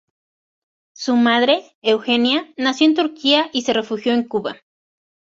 Su madre, Eugenia, nació en Turquía y se refugió en Cuba.